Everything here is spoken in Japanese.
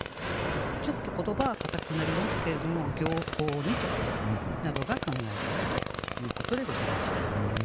ちょっと言葉は堅くなりますけれども「暁紅に」とかねなどが考えられるということでございました。